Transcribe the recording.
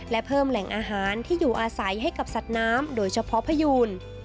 และเพิ่มแหล่งอาหารที่อยู่อาศัยให้กับสัตว์น้ำโดยเฉพาะพยูน